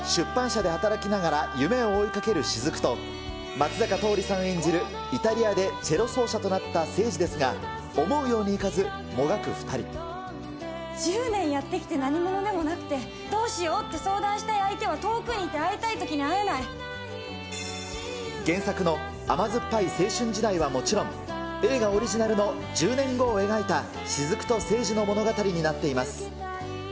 演じる出版社で働きながら夢を追いかける雫と、松坂桃李さん演じる、イタリアでチェロ奏者となったせいじですが、思うようにいかず、１０年やってきて何者でもなくて、どうしようって相談したい相手は遠くにいて会いたいときに原作の甘酸っぱい青春時代はもちろん、映画オリジナルの１０年後を描いた雫と聖司の物語になっています。